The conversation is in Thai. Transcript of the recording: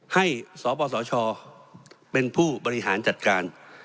ให้สปสชเป็นผู้บริหารจัดการ